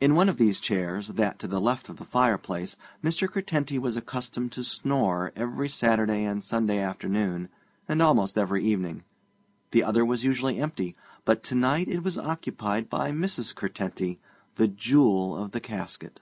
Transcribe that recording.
In one of these chairs, that to the left of the fireplace, Mr. Curtenty was accustomed to snore every Saturday and Sunday afternoon, and almost every evening. The other was usually empty, but to night it was occupied by Mrs. Curtenty, the jewel of the casket.